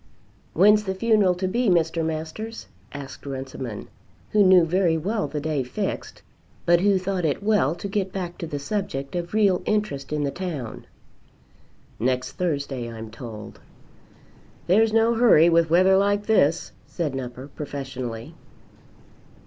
"When's the funeral to be, Mr. Masters?" asked Runciman, who knew very well the day fixed, but who thought it well to get back to the subject of real interest in the town. "Next Thursday, I'm told." "There's no hurry with weather like this," said Nupper professionally.